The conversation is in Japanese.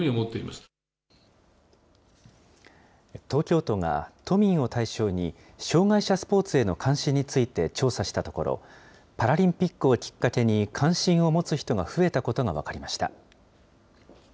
東京都が都民を対象に障害者スポーツへの関心について調査したところ、パラリンピックをきっかけに関心を持つ人が増えたことが分かりました。